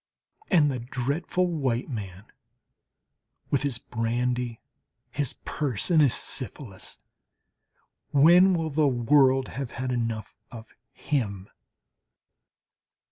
And the dreadful white man with his brandy, his purse, and his syphilis! when will the world have had enough of him?